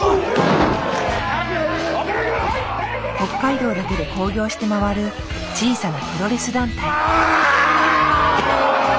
北海道だけで興行して回る小さなプロレス団体。